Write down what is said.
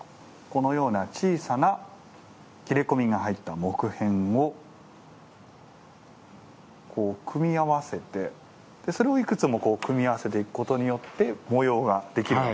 このような小さな切れ込みが入った木片をこう組み合わせてそれをいくつも組み合わせていくことによって模様ができるわけですね。